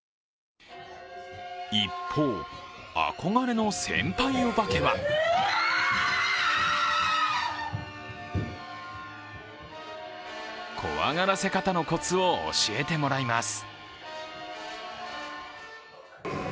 一方、憧れの先輩お化けは怖がらせ方のコツを教えてもらいます。